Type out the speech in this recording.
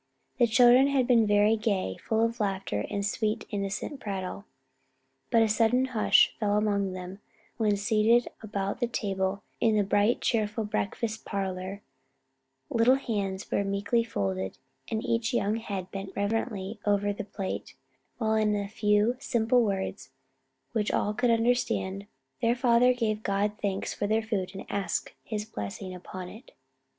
The children had been very gay, full of laughter and sweet innocent prattle, but a sudden hush fell upon them when seated about the table in the bright, cheerful breakfast parlor; little hands were meekly folded and each young head bent reverently over the plate, while in a few simple words which all could understand, their father gave God thanks for their food and asked his blessing upon it.